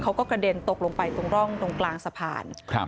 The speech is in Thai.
กระเด็นตกลงไปตรงร่องตรงกลางสะพานครับ